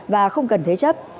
và không cần thế chấp